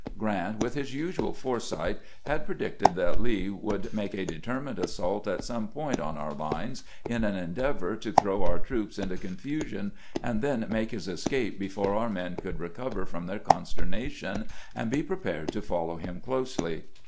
Grant, with his usual foresight, had predicted that Lee would make a determined assault at some point on our lines in an endeavor to throw our troops into con fusion, and then make his escape before our men could recover from their consternation and be prepared to follow him closely.